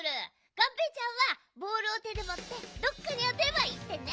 がんぺーちゃんはボールをてでもってどっかにあてれば１てんね。